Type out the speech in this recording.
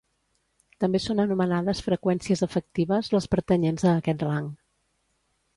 També són anomenades freqüències efectives les pertanyents a aquest rang.